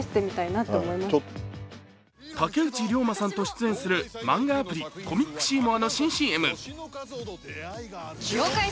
竹内涼真さんと出演するマンガアプリ、コミックシーモアの新ＣＭ。